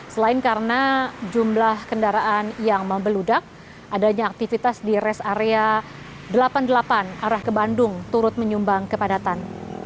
selain karena jumlah kendaraan yang membeludak adanya aktivitas di res area delapan puluh delapan arah ke bandung turut menyumbang kepadatan